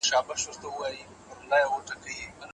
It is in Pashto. د پښتنو په کلتور کي مینه ډېر ارزښت لري.